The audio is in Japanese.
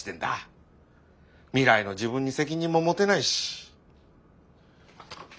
未来の自分に責任も持てないし。